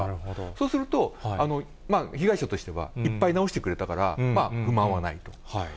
そうすると、被害者としてはいっぱい直してくれたから、不満はないと。